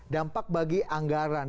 dampak bagi anggaran